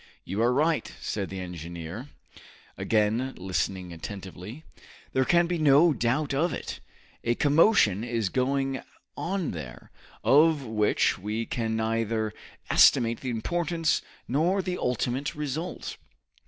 "You are right," said the engineer, again listening attentively. "There can be no doubt of it. A commotion is going on there, of which we can neither estimate the importance nor the ultimate result."